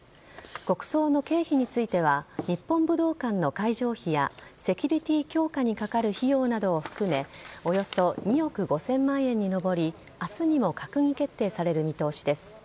国葬の経費については日本武道館の会場費やセキュリティー強化にかかる費用などを含めおよそ２億５０００万円に上り明日にも閣議決定される見通しです。